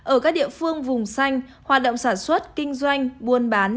ở các địa phương vùng xanh hoạt động sản xuất kinh doanh buôn bán